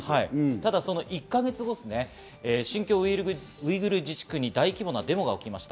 ただ１か月後、新疆ウイグル自治区に大規模なデモが起きました。